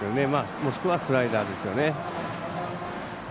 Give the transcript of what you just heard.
もしくはスライダーですよね。